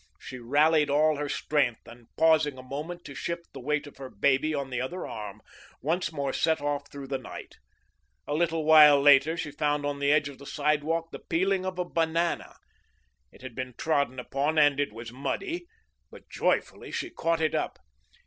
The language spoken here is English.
She rallied all her strength, and pausing a moment to shift the weight of her baby to the other arm, once more set off through the night. A little while later she found on the edge of the sidewalk the peeling of a banana. It had been trodden upon and it was muddy, but joyfully she caught it up.